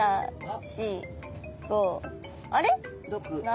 あれ？